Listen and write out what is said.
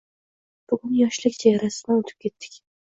Bugun yoshlik chegarasidan oʻtib ketdik